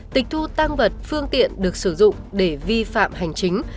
tịch thu tăng vật phương tiện được sử dụng để vi phạm hành chính